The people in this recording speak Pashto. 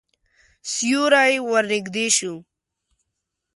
سیوری ورنږدې شو.